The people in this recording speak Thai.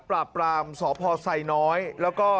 ปราบปรามสพไซน้อยแล้วก็